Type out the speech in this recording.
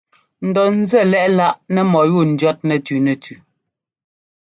N dɔ ńzɛ́ lɛ́ꞌ láꞌ nɛ mɔ́yúu ndʉ̈ɔt nɛtʉ nɛtʉ.